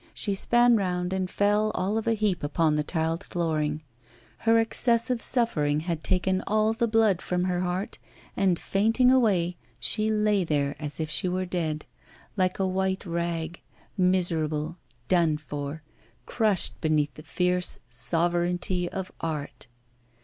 She span round and fell all of a heap upon the tiled flooring. Her excessive suffering had taken all the blood from her heart, and, fainting away, she lay there, as if she were dead, like a white rag, miserable, done for, crushed beneath the fierce sovereignty of Art.